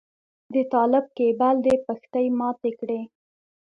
د طالب کيبل دې پښتۍ ماتې کړې.